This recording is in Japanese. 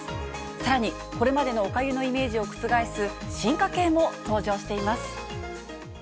さらにこれまでのおかゆのイメージを覆す進化系も登場しています。